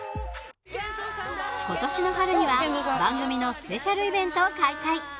今年の春には番組のスペシャルイベントを開催。